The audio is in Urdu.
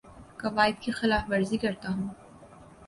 قوائد کی خلاف ورزی کرتا ہوں